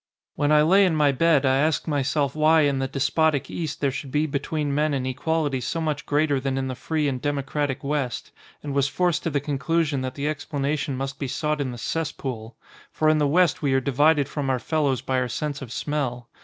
When I lay in my bed I asked myself why in the despotic East there should be between men an equality so much greater than in the free and democratic West, and was forced to the conclu sion that the explanation must be sought in the cess pool. For in the West we are divided from our fellows by our sense of smell.